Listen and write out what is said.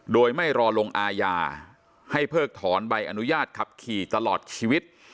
โดยไม่รอลงอาญาให้เพิกถอนใบอนุญาตขับขี่ตลอดชีวิต